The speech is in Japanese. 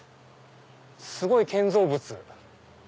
すごい建造物。